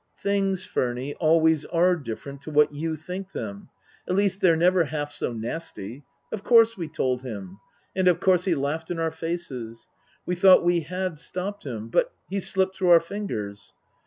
" Things, Furny, always are different to what you think them. At least they're never half so nasty. Of course we told him. And of course he laughed in our faces. We thought we had stopped him. But he's slipped through our fingers.